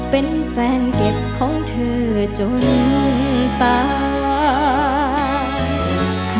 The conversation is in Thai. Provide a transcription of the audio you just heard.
เป็นแฟนเก็บของเธอจนตาย